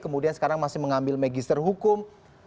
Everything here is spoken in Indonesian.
kemudian sekarang masih mengambil magister hukum